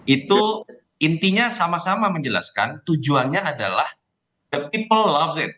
itu intinya sama sama menjelaskan tujuannya adalah people love it